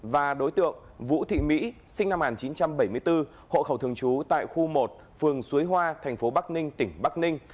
và đối tượng vũ thị mỹ sinh năm một nghìn chín trăm bảy mươi bốn hộ khẩu thường trú tại khu một phường suối hoa thành phố bắc ninh tỉnh bắc ninh